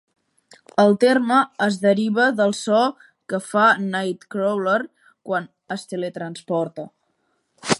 El terme es deriva del so que fa Nightcrawler quan es tele-transporta.